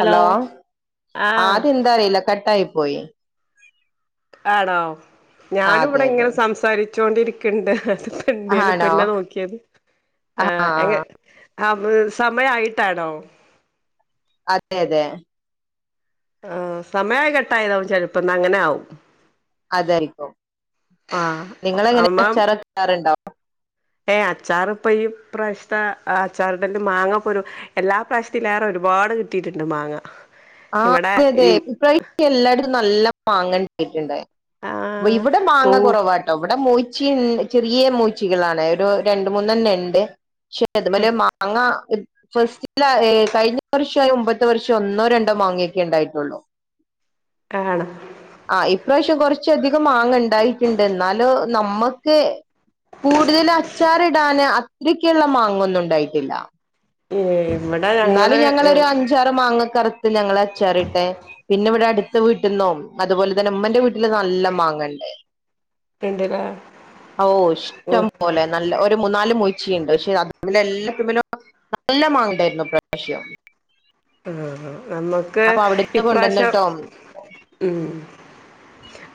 Hello ആ അത് എന്താറിയില്ല കട്ടായി പോയി. ആണോ ആ ഞാൻ അതെ ഇവിടെ അതെ ഇങ്ങനെ സംസാരിച്ചോണ്ടിരിക്ക്ണ്ട്. എന്തേന്ന് ആണോ ഇപ്പെന്നെ നോക്കിയത്. ആ ആ ആഹ് അങ്ങനെ അത് സമയമായിട്ടാണോ. അതെ അതെ ആഹ് സമയം ആയി കട്ടായതാവും ചെലുപ്പം ഇനാ അങ്ങനെ ആവും. അതായിരിക്കും. ആ നിങ്ങള് എങ്ങനെ അച്ചാർ ഒക്കെ ഇടാറുണ്ടോ. ഏഹ് അച്ചാറ് ഇപ്പൊ ഈ പ്രാവശ്യത്തെ അച്ചാറിടല് മാങ്ങ ഇപ്പൊരു എല്ലാ പ്രാവശ്യത്തിലോറെ ഒരുപാട് കിട്ടിയിട്ട്ണ്ട് മാങ്ങ. ആഹ് അതെ അതെഇപ്പ ഈ പ്രാവശ്യം എല്ലായിടത്തും നല്ല മാങ്ങ കിട്ടിയിട്ട്ട്ട് ആ വ് ഇവ്ടെ കൂ മാങ്ങ കൊറവാ ട്ടൊ ഇവടെ മൂച്ചിൻ ചെറിയ മൂച്ചികളാണ് ഒരു രണ്ട് മൂന്നെണ്ണം ഇണ്ട് പക്ഷെ. പ്പ അത്‌മ്മല് മാങ്ങ ഫസ്റ്റിലാ ഏഹ് കഴിഞ്ഞ വർഷോ അയ്‌ന് മുമ്പത്തെ വർഷോ ഒന്നോ ര ണ്ടോ മാങ്ങയൊക്കെ ഇണ്ടായിട്ടൊള്ളൂ. ആണ് ആഹ് ഇപ്രാവശ്യം കൊറച്ചധികം മാങ്ങ ഇണ്ടായിറ്റ്ണ്ട് ന്നാലും നമ്മക്ക്. കൂടുതല് അച്ചാറിടാന് അത്രയ്ക്ക്ള്ള മാങ്ങൊന്നും ഇണ്ടായിട്ടില്ല. ഏഹ് ഇവ്ടെ ഇന്നാലും ഞങ്ങളൊരു അഞ്ചാറ് മാങ്ങക്കെ അറ്ത്ത് ഞങ്ങള് അച്ചാറിട്ട് പിന്നെ ഇവ്ടെ അട്ത്ത വീട്ട്ന്നും അത്പോലെ തന്നെ മ്മന്റെ വീട്ട്ല് നല്ല മാങ്ങണ്ട്. ഉണ്ടല്ലേ ഓഹ് ഇഷ്ടം പോലെ. നല്ല ഒരു മൂന്നാല് മൂച്ചിയ്ണ്ട് പക്ഷെ അതിമ്മെല് എല്ലത്തിമ്മലും നല്ല മാങ്ങ ഇണ്ടായ്രുന്നു ഇപ്രാവശ്യം. അഹ് ആഹ് ആഹ് നമ്മ്ക്ക് അപ്പൊ അവിടുന്ന് ഇപ്രാവശ്യം. കൊണ്ടുവന്നിട്ടോ ഉം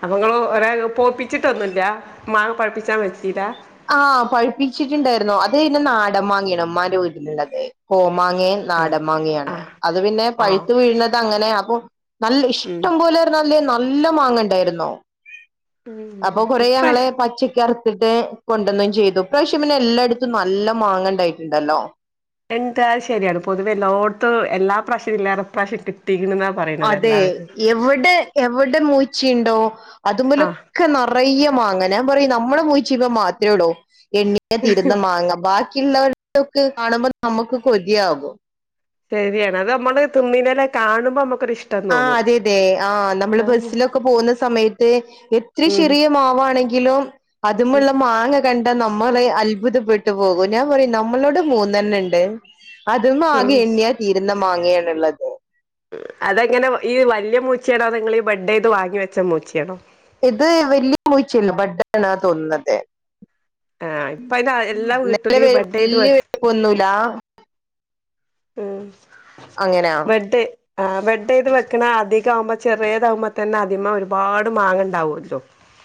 അപ്പ ഇങ്ങള് ഒരേ ഇങ്ങള് പോപ്പിച്ചിട്ടൊന്നുല്ലാ മാങ്ങ പഴ്പ്പിച്ചാൻ വെച്ചീലാ ആഹ് പഴിപ്പിച്ചിട്ട്ണ്ടായിരുന്നു. അത് പിന്നെ നാടൻമാങ്ങ ആണ്‌ ഉമ്മാന്റെ വീട്ട്ല്ള്ളത് കോമാങ്ങേം ആഹ് നാടൻ മാങ്ങ്യാണ് ആഹ് അത് പിന്നെ ആഹ് പഴുത്ത് വീഴ്ണത് അങ്ങനെ ആക്കും നല്ല ഉം ഇഷ്ടം പോലെ പ്പൊ നല്ലെഹ് നല്ല മാങ്ങ ഇണ്ടായിരുന്നു ഉം അപ്പൊ കൊറേ ഞങ്ങള് ഇപ്രാവശ്യം പച്ചയ്ക്ക് അറ്ത്തിട്ട് കൊണ്ടൊന്നും ചെയ്തു. ഇപ്രാവശ്യം പിന്നെ എല്ലായിടത്തും നല്ല മാങ്ങ ഇണ്ടായിട്ട്ണ്ടല്ലോ. എന്റാ അത് ശരിയാണ് പൊതുവെ എല്ലോട്ത്തും എല്ലാ പ്രാവശ്യവും ഇല്ലേറെ പ്രാവശ്യം കിട്ടിക്ക്ണ്ന്നാ അതെ എവ്ടെ എവ്ടെ മൂച്ചിയിണ്ടോ അത് മ്മലൊ ആഹ് ക്കെ നെറയ്യെ മാങ്ങ ഞാൻ പറയും നമ്മളെ മൂച്ചിമ്മെ മാത്രേ ഒള്ളു എണ്ണി യാ തീരുന്ന മാങ്ങ ബാക്കിയുള്ളവര്ടെ ഒക്കെ കാണുമ്പൊ നമ്മക്ക് കൊതിയാകും ശരിയാണ് അത് അമ്മള് തിന്നിനേലെ കാണുമ്പൊ അമ്മക്കൊരിഷ് ആഹ് അതെ അതെ ആഹ് നമ്മള് ബസ്സിലൊക്കെ പോവുന്ന സമയത്ത് എത്ര ഉം ചെറിയ മാവാണെങ്കിലും അത് മ്മെള്ള മാങ്ങ ക ണ്ട നമ്മളെ [unintelligible] അത്ഭുതപ്പെട്ട് പോകും ഞാൻ പറയും നമ്മളോടെ മൂന്നെണ്ണം ഇണ്ട് അത്മ്മെ ആകെ ഉം എണ്ണിയാ തീര്ന്ന മാങ്ങയാണ് ഇള്ളത് ഉം അതെങ്ങനെ ഈ വല്ല്യെ മൂച്ചിയാണോ നിങ്ങളീ ഈ ബെഡ്ഡ് ചെയ്ത് വാങ്ങിവെച്ച മൂച്ചിയാണോ ഇത് വെല്ല്യെ മൂച്ചിയല്ല ബെഡ്ഡ് ആണ്ന്നാ തോന്ന്ന്നത് ആഹ് ഇപ്പ അയിന് എല്ലാ ന്നാല് വീട്ടിലും ഈ വെല്യെ ബെഡെയ്ത് വലിപ്പൊന്നുല്ല ഉം അങ്ങനാ ബെഡ്ഡ് ആഹ് ബെഡ് ചെയ്ത് വെക്ക്ണ അധികം ആവുമ്പൊ ചെറ്യേതാവുമ്മെ തന്നെ അതിമ്മെ ഒരുപാട് മാങ്ങ ഇണ്ടാവല്ലോ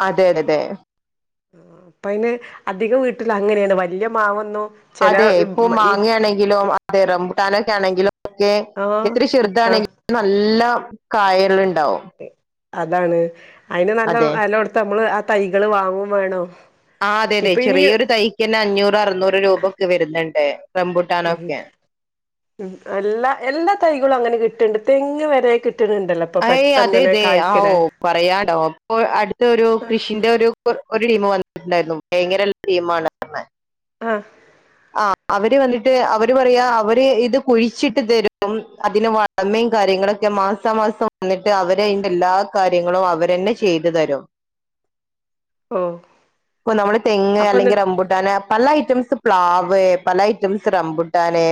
അതെ അതെ ഇപ്പയ്ന് അധിക വീട്ട്ലും അങ്ങനേണ് വല്യ മാവൊന്നും ചില അതെ ഇപ്പൊ ഈ മാങ്ങയാണെങ്കിലും അതെ റംബുട്ടാനൊക്കെ ആണെങ്കിലും ഒക്കെ ആഹ് എത്ര ആഹ് ചെറുതാണെങ്കിലും നല്ലം കായേള് ഇണ്ടാവും അതാണ് അയ്ന് നല്ലം അതെ വെലകൊട്ത്ത് അമ്മള് ആ തൈകള് വാങ്ങും വേണം ആഹ് അതെ അതെ ഇപ്പൊ ഇനി ചെറിയൊരു തൈക്കെന്നെ അഞ്ഞൂറ് അറുന്നൂറ് രൂപ ഒക്കെ വെര്ന്ന്ണ്ട് ഉം ഉം. എല്ലാ എല്ലാ തൈകളും അങ്ങനെ കിട്ട്ണ്ട്. തെങ്ങ് വരേ കിട്ട്ണ് ഇണ്ടല്ലോ. അയ് അതെ അതെ ആഹ് ഓഹ് പറയാണ്ടോ അപ്പൊ അടുത്തരു കൃഷിന്റെ ഒരു ഒരു ടീം വന്നിട്ടുണ്ടായിരുന്നു. വേക്കരല്ലെ ടീമാണ്. ആഹ്. ആഹ്. അവര് വന്നിട്ട് അവര് പറയാ. അവര് ഇത് കുഴിച്ചിട്ട് തരും അതിന് അമ്മയും കാര്യങ്ങളൊക്കെ മാസ മാസം വന്നിട്ട് അവരയ്ന്റെ എല്ലാ കാര്യങ്ങളും അവരന്നെ ചെയ്തു തെരും. ഓ ഇപ്പൊ നമ്മള് തെങ്ങ്, അപ്പൊ എന്നി അല്ലെങ്കിൽ റബുട്ടാന്, പല ഐറ്റംസ് - - പ്ലാവ്, പല ഐറ്റംസ് റംബുട്ടാന്,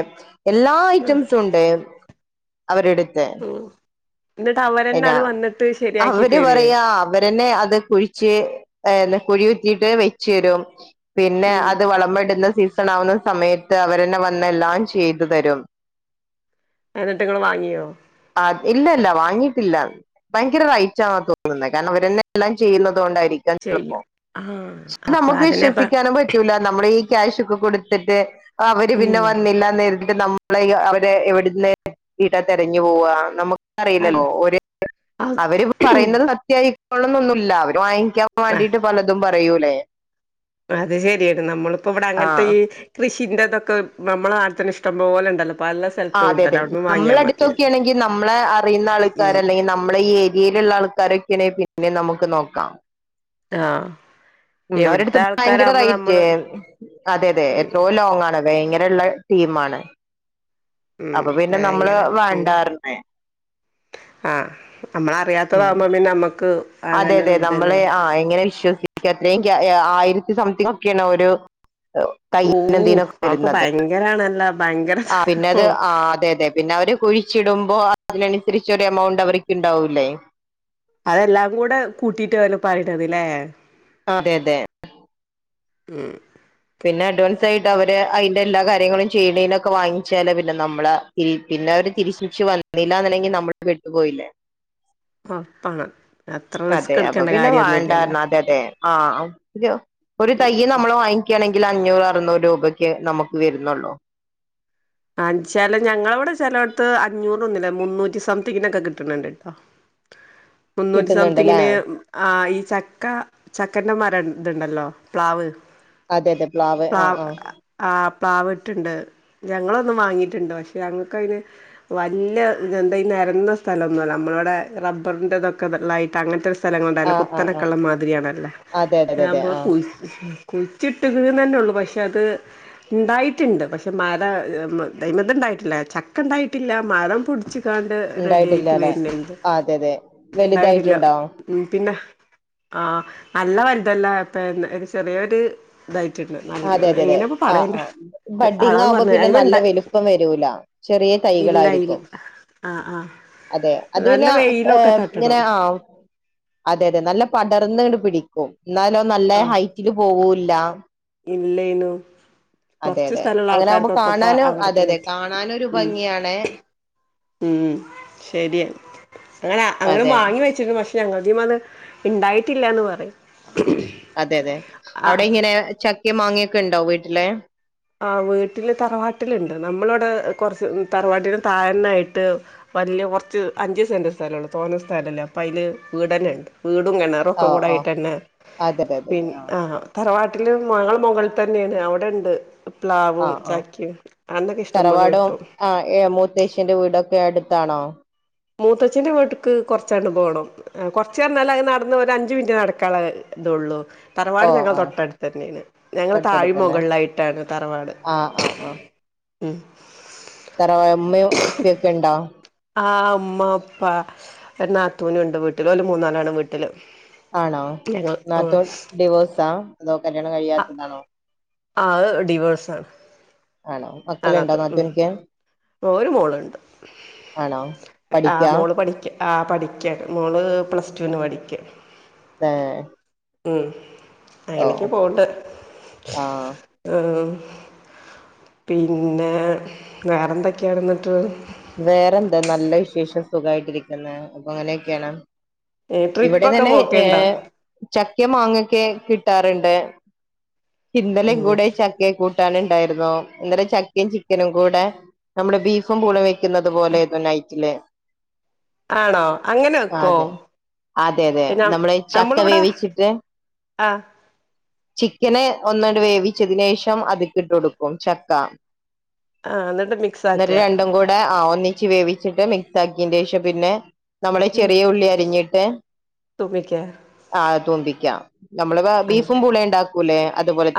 എല്ലാ ഐറ്റംസും ഉണ്ട് അവരുടുത്ത്. ഉം' ഇന്നിട്ട് അവൻ. എന്നാ അവര് പറയാ. അവരെന്നെ അത് കുഴി വെച്ച് തരും. പിന്നെ ഉം അത് വളമ്മെടുന്ന സീസ ണാവുന്ന സമയത്ത് അവരന്നെ വന്ന് എല്ലാം ചെയ്തു തരും. ഷന്നിട്ട് നിങ്ങള് വാങ്ങിയോ. ആഹ്. ഇല്ല ഇല്ല വാങ്ങീ ട്ടില്ല. ഭയങ്കര റൈറ്റാന്ന തോന്നുന്നെ. കാര്ണം ഇവരെന്നെ എല്ലാം ചെയ്യുന്നുന്നത് കൊണ്ടായിരിക്കും ചെയ്യും ആഹ് പ്പെ അപ്പൊ നമുക്ക് അതിനപ്പ വിശ്വസിക്കാനും പറ്റ് നമ്മെളെ ഈ ക്യാഷ് ഒക്കെ കൊടുത്തിട്ട് അവര് പിന്നെ ഉം വന്നില്ല. റട്ട് നമ്മ അവരെ എവിട്ന്ന്ട്ടാ തെരഞ്ഞു പോവാ. നമുക്ക് അത് അറിയില്ലല്ലോ ഒരു അത് അവര് പറയുന്നത് സത്യായിക്കന്നൊന്നു ഇല്ല. അവര് വാങ്ങിക്കാൻ ആഹ് വേണ്ടീട്ട് പലതും പറയൂലേ. അത് ശെരിയാണ്. നമ്മളിപ്പം അങ്ങൻത്തെ ആഹ് ഈ കൃഷിന്റെതൊക്കെ നമ്മളെ നാട്ടിത്തന്നെ ഇഷ്ടം പോലെ ഇണ്ടല്ലോ. പല ആ സ്ഥലത്തും അതെ. അതെ. ഉണ്ടല്ലോ അവിടന്ന് നമ്മളെ വാങ്ങിയാൽ മതിയായിരുന്നു അടുത്തോക്കാണെങ്കിൽ നമ്മളെ അറിയുന്ന ഉം ആൾക്കാര് അല്ലെങ്കിൽ നമ്മളെ ഈ ഏര്യേയില്ള്ള ആൾക്ക ക്കാരൊക്കേണങ്കി പിന്നെ നമുക്ക് നോക്കാം. ആഹ്. ഊം. എവിടുത്തെ അവരെടുത്ത് ഭയങ്കര ആൾക്കാരാകുമ്പോ റെയ്റ്റ്. നമ്മള് അതെ അതെ എത്രോ ലോങ്ങാണ്. വേങ്ങരള്ള ടീമാണ്. ഉം അപ്പൊ പിന്നെ നമ്മള് ഭയങ്കര ഉം വേണ്ടാറ്‌ഞ്ഞ്. ആഹ്. ഉം നമ്മളറിയാത്തതകുമ്പോ പിന്നെ നമ്മക്ക്. അതെ അങ്ങനൊരു അതെ. ഇത് നമ്മള് തന്നെയാണ് ആ എങ്ങനെ വിശ്വസിക്ക എത്രേങ്ക്യ. എന് ഹ് ആയിരത്തി സംതിങ് ഒക്കെയാണ് ഒരു. ദൈനം ഓഹ് ദിനൊക്കെ അതൊക്കെ വരുന്നത്. ഭയങ്കരാണല്ലോ ഭയങ്കര ആ പിന്നെത് ഓഹ് ആ അതെ അതെ. പിന്നെ അവര് കുഴിച്ചിടുമ്പോ അതിനനുസരിചൊരു എമൗണ്ട് അവര്ക്ക് ഇണ്ടാവൂല്ലേ? അതെല്ലാം കൂടെ കൂട്ടിട്ട് വന് പായ്തതല്ലേ? ആഹ് അതെ അതെ. ഉം. പിന്നെ അഡ്വാൻസ് ആയിട്ട് അവര് അയിന്റെ എല്ലാ കാര്യങ്ങളും ചെയ്തെയ്നൊക്കെ വാങ്ങിച്ചാലല്ലേ പിന്നെ നമ്മള്? പി പിന്നെ അവര് തിരിശിച്ച് വന്നില്ലന്ന് പ് ണ്ടെങ്കി നമ്മുള് പെട്ടു പോയില്ലേ? ആ അതെ. അതെ. അപ്പൊ പിന്നെ വറണ്ടാര്ന്നു അതെ അതെ ആ യോ. ഒരു തൈ നമ്മൾ വാങ്ങിക്കുകയാണെങ്കിൽ അഞ്ഞൂറ് അറുന്നൂറ് റൂപക്കെ നമുക്ക് വെര്ന്നുള്ളൂ. ആ ചെല ഞങ്ങളവിടെ ചെലോട്ത്ത് അഞ്ഞൂറൊന്നുല്ല മുന്നൂറ്റി സംതിങ്ങിനൊക്കെ കിട്ടണണ്ട്. [inaudible] മുന്നൂറ്റി കിട്ടുന്നുണ്ടല്ലേ സംതിങ്ങിന് ആ ഈ ചക്ക ചക്കന്റെ മരം ഇതുണ്ടല്ലോ പ്ലാവ് അതെ അതെ ആഹ് പ്ലാവ് ആഹ് ആ് പ്ലാവ് ഇട്ടുണ്ട് ഞങ്ങളൊന്ന് വാങ്ങിട്ട്ണ്ട്‌ പക്ഷേ ഞങ്ങക്കയില് വല്ല്യ ഇതെന്താ ഈ നെര്ന്ന സ്ഥലൊന്ന്വല്ല നമ്മളവ്‌ടെ റബ്ബറിന്റതൊക്കെ ദള്ളായിട്ട് അങ്ങന് ത്തെ സ്ഥലങ്ങളുണ്ടായല്ല ആഹ് ആഹ് ആഹ് കുത്തനക്കെള്ളം മാതിരിയാണല്ല അതെ അതെ അതെ അതെ അതാകുമ്പോ ആഹ് കുല്‌ കുയിച്ചിട്ടത് ന്നെന്നുള്ളൂ പക്ഷെ അത് ഇണ്ടായിട്ടുണ്ട് പക്ഷെ മര് അ ഊം അയ്‌മത്ണ്ടായിട്ടില്ല ചക്കണ്ടായിട്ടില്ല മരം പൊടിച്ച എതാണ്ട് റെഡി ഉണ്ടായിട്ടില്ല ആയിട്ട് അല്ലെ വരുന്നുണ്ട് അതെ അതെ ഇണ്ടായിരില്ല വലുതായിട്ടുണ്ടോ ഊം പിന്നെ ആ നല്ല വലുതല്ല ഇപ്പ ചെറിയൊര് ഇതായിട്ടുണ്ട് അതെ അതെ അതെ ആ ആഹ് ബഡിങ് അളവ് ആവുമ്പോ പറഞ്ഞ് പിന്നെ അയിമണ്ട നല്ല വലുപ്പം വരൂല ചെറിയ ഇല്ല ഇൽ തൈകളായിരിക്കും ആഹ് ആഹ് അതെ അത് പിന്നെ നല്ല ആ വെയിലൊക്കെ ഹ് ഇങ്ങനെ തട്ടണം ആ ആ അതെതെ നല്ല പടർന്നിട്ട് പിടിക്കും ന്നാലോ നല്ല ഹൈറ്റിൽ പോവൂല്‌ ഇല്ലാ ഇല്ലെയ്നു അതെ കൊറ്ച്ച് അതെ സ്ഥലുള്ള അങ്ങനെ ആകുമ്പോ ആൾക്കാർക്കൊക്കെപ്പൊ അവർക്കേ പറ്റു ഉം എണേ ഉം ശെരിയ അങ്ങനെ അങ്ങനെ അതെ വാങ്ങി വെച്ച രു പക്ഷെ ഞങ്ങള്ടെയും അത് ഇണ്ടായിട്ടില്ലാന്ന് പറയും അതെ അതെ അവിടെ ആഹ് ഇങ്ങനെ ചക്കേം മാങ്ങേയൊക്കെണ്ടോ വീട്ടില് ആ വീട്ടില് തറവാട്ടിലിണ്ട് നമ്മളിവിടെ കൊറച്ച് തറവാട്ടിന് തായെന്നായിട്ട് വല്ല്യ കൊറ്ച്ച് അഞ്ച് സെന്റ് സ്ഥലൊട്ത്തു തോനം സ്ഥലൊല്ല അപ്പ അയില് വീടന്നെ ഇട്ടു വീടും കെണറും ഒക്കെ ഓഹ് ഓഹ് കൂടായിട്ടന്നെ അതെ അതെ അതെ പിന്നെ ആഹ് തറവാട്ടിൽ മകൾ മുകൾ തന്നെയാണ് അവിടെണ്ട്‌ ആഹ് ആഹ് ഇഷ്ടം പോലെ തറവാടും കിട്ടും ആ ഏ മൂത്തേശ്ശിന്റെ വീടൊക്കെ അടുത്താണോ മൂതെച്ഛൻ്റെ വീട്ടക്ക് കുറച്ചാണ്ട് പോണം കൊറ്ച്ചറ്ഞാല് അത് നട്ന്ന്‌ ഒരു അഞ്ചു മിനിറ്റ് നടക്കനുള്ള ഇ ഇതുള്ളൂ തറവാട് ഓഹ് ഞങ്ങടെ ആഹ് തൊട്ടടു ത്തെന്നെണ് ഞങ്ങള് തൊട്ടടുത്തന്നെ താഴേമുകളിലായിട്ടാണ് തറവാട് ആഹ് ഉം തറ ഉമ്മീം ഉപ്പിയൊക്കെ ഉണ്ടോ ആ ഉമ്മ ഉപ്പ ഒരു നാത്തൂനുണ്ട് വീട്ടില് ഒരു മൂന്നാലാണ് വീട്ടില് ആണോ ഞങ്ങൾ നാത്തൂൻ ഡിവോഴ്സാ അതോ കല്യാണം കഴിയാത്തതാണോ ആഹ് ഡിവോഴ്സാ ആണോ മക്കള ഇണ്ടോ നാതൂൻക്ക് ഒരു മോളുണ്ട് ആ പഠിക്കാ മോള് പഠിക്ക്യ ആ പഠിക്കൻ മോള് പ്ലസ് ടു ന് പഠിക്ക്യ ഏഹ് ഉം ഓ അങ്ങനക്ക പോവ്ണ്ട് ആഹ് ആഹ് പിന്നെ വേറെ എന്തൊക്കെയണ എന്നിട്ട് വേറെന്താ നല്ല വിശേഷം സുഖായിട്ടിരിക്കുന്ന അപ്പൊ അങ്ങനെയൊക്കെയാണ് ഇവിടിം ട്രിപ്പൊക്കെ തന്നെ ഏ പോക്കേണ്ടോ ചക്ക മാങ്ങൊക്കെ കിട്ടാറുണ്ട് ഇന്നലെ ഉം കൂടെ ചക്ക കൂട്ടാനുണ്ടായിരുന്നു ഇന്നേരം ചക്കയും ചിക്കനും കൂടെ നമ്മള് ബീഫും പൂളീം വെ ന്നത് പോലെ ആയിരുന്നു നൈറ്റില് ആണോ അങ്ങനെ വെക്കോ ആതെ അതെ അതെ പിന്നെ നമ്മള് ചക്ക വേവിച്ചിട്ട് ആഹ് ക്കനെ ഒന്നണ്ട് വേവിച്ചതിനേഷം അത്ക്കിട്ടൊടുക്കും ചക്ക ആ എന്നിട്ട് മിക്സ് ഇന്നിട്ട് ആക്കുക രണ്ടും കൂടെ ആഹ് ഒന്നിച്ച് വേവിച്ചിട്ട് മിക്സാക്കീന്റേഷം പിന്നെ നമ്മള ചെറിയ ഉള്ളി അരിഞ്ഞിട്ട് തൂപിക്കാ ആഹ് തൂമ്പിക്കാം നമ്മള് ബീഫും പൂളെ ഇണ്ട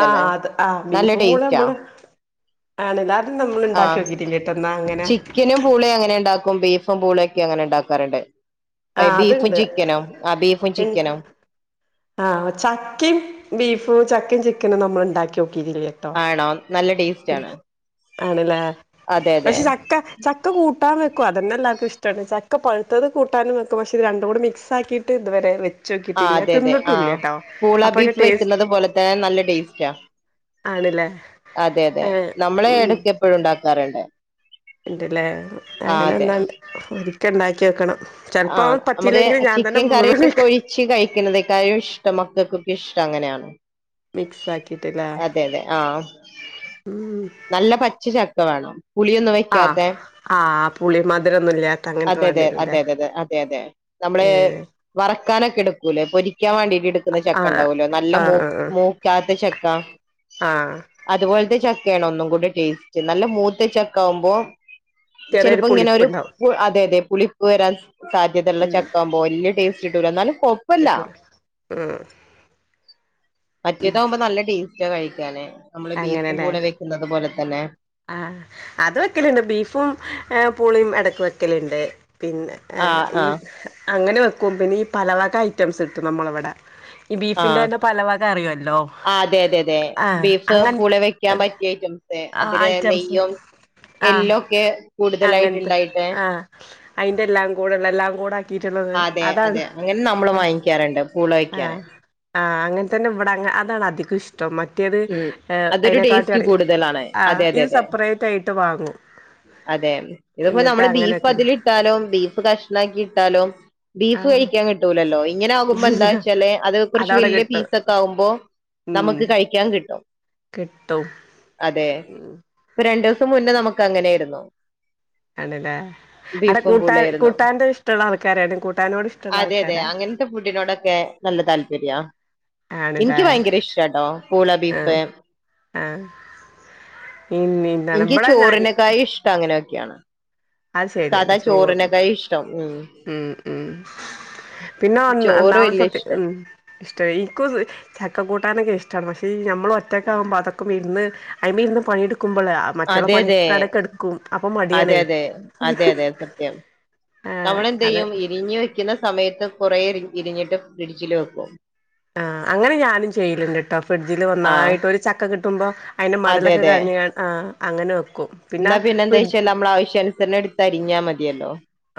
ആഹ് അത് ആഹ് ബീഫും പൂളെ ടേസ്റ്റാ നമ്മള് ആണ് അത് ആ ഇണ്ടാക്ക്യോ ട്ടില്ല്യട്ടൊ ന്ന അങ്ങനെ ചിക്കനും പൂളിം അങ്ങനെ ഇണ്ടാക്കും ബീഫും പൂളയൊക്കെ അങ്ങനെ ഉണ്ടാക്കാറുണ്ട് അയ് ആഹ് ബീഫും അതുണ്ട് ചിക്കനും ആഹ് ബീഫും ചിക്കനും ആഹ് ചക്കിം ബീഫും ചക്കിം ചിക്കനും നമ്മൾ ഇണ്ടാക്ക്യോട്ടില്ല ട്ടോ ആണോ നല്ല ടേസ്റ്റ് ആണ് ആണ്ലേ അതെ അതെ പക്ഷെ ചക്ക ചക്ക കൂട്ടാ വെക്കും അതന്നെ എല്ലാർക്കും ഇഷ്ട്ടാണ് ചക്ക പഴുത്തത് കൂട്ടാൻ വെക്കും പക്ഷെ ഇത് രണ്ടും കൂടി മിക്സാക്കി ട്ട് ഇതുവരെ ആ വെച്ച്യോക്കിട്ടില്ല അതെ ആഹ് പൂള ബീഫ് വെക്ക്ന്നത് പോലതേ നല്ല ടേസ്റ്റാ ആണല്ലേ അതെ അതെ ഏഹ് നമ്മളെ എടക്ക് എപ്പഴും ഇണ്ടാക്കാറ്ണ്ട് ഇണ്ട്ലേ അങ്ങനെന്നാൽ ഒരിക്ക ഇണ്ടാക്ക്യോക്കണം ആഹ് നമ്മക്ക് ചിക്കൻ കറിയൊക്കെ വെക്കും ഒഴിച്ച് കഴിക്കണതെക്കായും ഇഷ്ടം മക്കക്കൊക്കെ ഇഷ്ടം അങ്ങനെയാണ് മിക്സ് ആക്കിട്ടില്ലേ അതെ അതെ ആഹ് ഉം നല്ല പച്ച ചക്ക വാണം പുളിയൊന്നും വെ ആഹ് ആഹ് പുളി മധുരൊന്നില്ലാത്ത അങ്ങൻത്ത അതെ അതെ വേണ്ട്യാരുംലെ അതെ അതെ അതെ അതെ അതെ നമ്മള് വറക്കാനൊക്ക എടുക്കൂലേ പൊരിക്കാൻ വേണ്ടീട്ട് എ ട്ക്ക്ന്ന ചക്ക ആഹ് ഇണ്ടാവൊലൊ നല്ല ആഹ് ആഹ് മൂക്കാത്ത ചക്ക ആഹ് അതുപോല്ത്തെ ചക്ക്യാണ് ഒന്നും കൂട ടേസ്റ്റ് നല്ല മൂത്ത ചക്കാവുമ്പൊ ചെറിയൊരു ചെലപ്പൊ ഇങ്ങനൊരു പുളിപ്പ്ണ്ടാവും പു അതെ അതെ പുളിപ്പ് വരാൻ സാ ഉം ചക്കാവുമ്പൊ വല്യ ടേസ്റ്റിട്ടൂല ഇന്നാലും കൊ പല്ല കിട്ടൂല ഉം മറ്റേതാവുമ്പൊ നല്ല ടേസ്റ്റ് മുറ്റ കഴിക്കാന് നമ്മള് ബീഫും അങ്ങനെല്ലേ പൂളിം കഴിക്കുന്നത് പോലെ തന്നെ ആഹ് അത് വെക്കല്ണ്ട് ബീഫും ഏഹ് പുളിം എടക്ക് വെക്കലിണ്ട് പിന്നെ ആഹ് ഈ അങ്ങനെ വെക്കും പിന്നെ ഈ പലവക ഐറ്റംസ് കിട്ടും നമ്മളിവ്ടെ ആഹ് ആതെ അതെ അതേ ആഹ് ബീഫ് പൂളെ വെക്കാൻ അങ്ങനത്തെ പറ്റ്യ അയ്റ്റംസ് ആഹ് അതില് ഐറ്റംസ് നെയ്യും ആഹ് എല്ലൊക്കെ അങ്ങനത്തെ കൂടുതലായിട്ടുണ്ടായിട്ട് ആഹ് അയിന്റെ എല്ലാം കൂടെ ഉള്ള എല്ലാം കൂടെ എത്തീട്ട്ള്ളത് അതെ അതാണ് അതെ അങ്ങനെ നമ്മള് ആഹ് വാങ്ങിക്കാറുണ്ട് പൂള വെക്കാന് ആഹ് ആഹ് അങ്ങൻ തന്നെ ഇവ്ടെ അതാണ് അധികം ഇഷ് ട്ടൊ മറ്റേത് ഉം അതൊരു അയിനെ കാട്ടി ടേസ്റ്റ് അറിയും കൂടുതലാണ് ആഹ് അതെ അതെ ഇത് സപ്പ്രേറ്റായിട്ട് വാങ്ങും അതേ ഇതിപ്പൊ എന്നിട്ട് നമ്മള് ബീഫ് അങ്ങനെയൊക്കെയാണ് അതിലിട്ടാലും ബീഫ് കഷ്ണാക്കി ഇട്ടാലും ബീഫ് ആഹ് വേഴിക്കാൻ കിട്ടൂലല്ലോ ഇങ്ങനെ ആവുമ്പൊ ഇല്ല എന്താചാല് അത് കൊറ്ച്ച് അതവിടെ വല്യ കിട്ടും പീസൊക്കാവുമ്പൊ ഉം നമ്മക്ക് കഴിക്കാൻ കിട്ടും കിട്ടും അതേ ഉം ഇപ്പ രണ്ടൂസം മുന്നെ നമ്മക്ക് അങ്ങനെയാര്ന്നു ആണ്ലേ അവ്ടെ കൂട്ടാ കൂട്ടാന്റ ഇഷ്ട്ടള്ള ആൾക്കാരാടെ കൂട്ടാനോട് ഇഷ്ട്ടള്ള ആൾക്കാരാ എനിക്ക് ഫുഡിനോടൊക്കെ നല്ല താല്പര്യാ ആണല്ലേ എനിക്ക് ഭയങ്കര ഇഷ്ടാട്ടോ പൂള, ആഹ് ബീഫ് ആഹ് എന്നിം എനിക്ക് ചോറിനെക്കായും ഇഷ്ടം അങ്ങനെയൊക്കെയാണ് അഹ് ശരിയാണ് സാധാ ചോറും ചോറിനേക്കായി ഇഷ്ടം ഉം ഉം ഉം പിന്നെ ഒന്നാ ചോറ് ഒന്നാമത്തെ വല്യ ഇഷ്ട സത്യംഉം ഇഷ്ടായി എനിക്കു ചക്ക കൂട്ടാനൊക്കെ ഇഷ്ടാണ് പക്ഷേ നമ്മൾ ഒറ്റക്കെ ആവുമ്പോ അതൊക്കെ ഇരുന്ന് അയിമെരുന്ന് പണിയെടുക്കുമ്പോൾേ മറ്റുള്ള അതെ പണി അതെ ഒക്കെ അവ്ടെ ട കെടക്കും അപ്പോ അതെ മടിയാണേ അതെ അതെ അതെ ആഹ് അത് ഇരിഞ്ഞു വെക്കുന്ന സമയത്ത് കുറേ ഇരിഞ്ഞിട്ട് ഫ്രിഡ്ജില് വെക്കും ആഹ് അങ്ങനെ ഞാനും ചെയ്യലുണ്ട്ട്ടോ ഫ്രിഡ്ജില് ആഹ് ഒന്നായിട്ട് ഒരു ചക്ക കിട്ടുമ്പോ അയ്ന്റെ അതെ മടലൊക്കെ കളഞ്ഞ് ആ അങ്ങനെ വെക്കും എന്താ പിന്നെ എന്താ ചോയ്ച്ചാല് നമ്മുടെ ആവശ്യ അനുസരണം എടുത്തരിഞ്ഞാ മതിയല്ലോ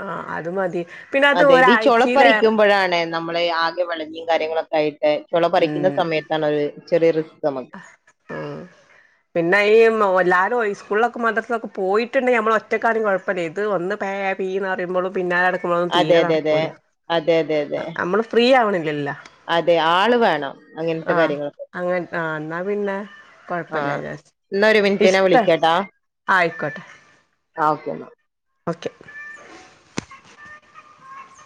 ആഹ് അത് മതി പിന്നെ അത് അതായത് ഈ ചൊള ഒരാഴ്ചയിലേറെ പറിക്കുമ്പോഴാണ് നമ്മള് ആകെ വിളഞ്ഞിയും കാര്യങ്ങളൊക്കെ ആയിട്ട് ചൊള പറിക്കുന്ന ഉം സമയത്തണ് ഒരു ചെറിയ റിസ്ക് നമുക്ക് [inaudible] ഉം പിന്നെ ഈ എല്ലാരും സ്കൂളിലൊക്കെ മദ്രസ്സിലൊക്കെ പോയിട്ടുണ്ടെങ്കിൽ നമ്മൾ ഒറ്റക്കാണേലും കുഴപ്പല്ല ഇത് ഒന്ന് പേ. പീന്ന് പറയുമ്പളും പിന്നാലെ നടക്കുമ്പളൊന്നും അതെ തീരെ അതെ അതെ നടക്കൂല അതെ അതെ അതെ നമ്മള് ഫ്രീ ആവണില്ലല്ലോ അതെ ആള് വേണം അങ്ങനത്തെ കാര്യങ്ങൾക്കൊക്കെെ ആ ഇനാ പിന്നെ കൊഴപ്പല്ലാ വിചാരിച്ച് എന്നാ ഒരു മിനിറ്റ് ഞാൻ ഇഷ്ടാ വിളിക്കാട്ടാ ആയിക്കോട്ടെ ആ ഓക്കെ എന്നാ ഓക്കെ